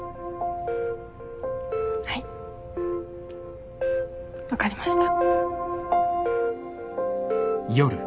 はい分かりました。